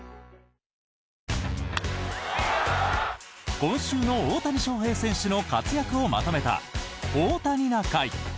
今週の大谷翔平選手の活躍をまとめた「オオタニな会」！